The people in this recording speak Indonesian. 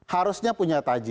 harusnya punya taji